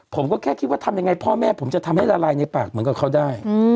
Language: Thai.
ผมก็แค่คิดว่าทำยังไงพ่อแม่ผมจะทำให้ละลายในปากเหมือนกับเขาได้